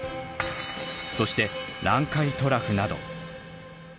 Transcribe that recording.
そして南海トラフなど。